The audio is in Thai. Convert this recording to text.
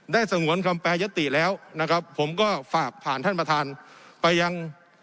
สงวนคำแปรยติแล้วนะครับผมก็ฝากผ่านท่านประธานไปยัง